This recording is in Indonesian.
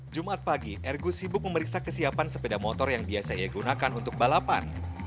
jumat pagi ergo sibuk memeriksa kesiapan sepeda motor yang biasanya digunakan untuk balapan